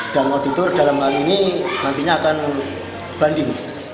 dan auditor dalam hal ini nantinya akan banding